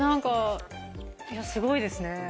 すごいですね。